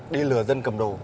đi lừa dân cầm đồ